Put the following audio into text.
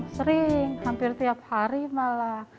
sering hampir tiap hari malah